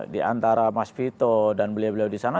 di antara mas vito dan beliau beliau di sana